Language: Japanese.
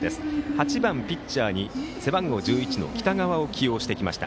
８番ピッチャーに背番号１１の北川を起用しました。